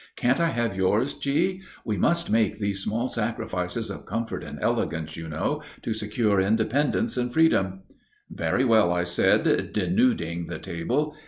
Can't I have yours, G.? We must make these small sacrifices of comfort and elegance, you know, to secure independence and freedom." "Very well," I said, denuding the table.